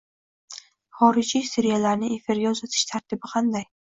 Xorijiy seriallarni efirga uzatish tartibi qanday?